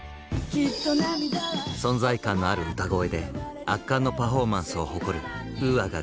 存在感のある歌声で圧巻のパフォーマンスを誇るＵＡが激レア出演。